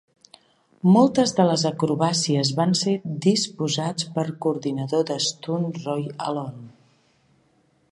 Moltes de les acrobàcies van ser disposats per coordinador de Stunt Roy Alon.